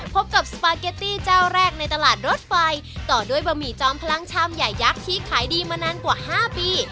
พบกับสปาเกตตี้เจ้าแรกในตลาดรถไฟต่อด้วยบะหมี่จอมพลังชามใหญ่ยักษ์ที่ขายดีมานานกว่า๕ปี